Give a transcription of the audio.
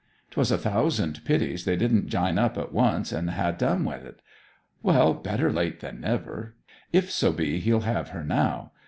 ''Twas a thousand pities they didn't jine up at once and ha' done wi' it. 'Well; better late than never, if so be he'll have her now.